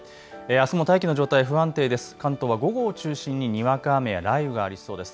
あすも大気の状態不安定です。